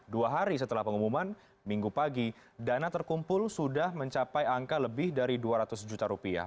dua hari setelah pengumuman minggu pagi dana terkumpul sudah mencapai angka lebih dari dua ratus juta rupiah